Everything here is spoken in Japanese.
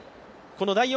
第４